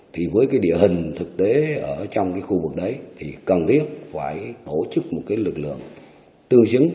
thì với cái địa hình thực tế ở trong cái khu vực đấy thì cần thiết phải tổ chức một cái lực lượng tương xứng